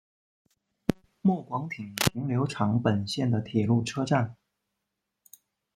末广町停留场本线的铁路车站。